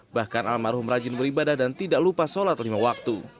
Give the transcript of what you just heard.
bahkan almarhum rajin beribadah dan tidak lupa sholat lima waktu